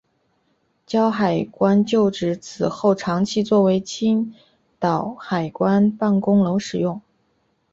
胶海关旧址此后长期作为青岛海关办公楼使用。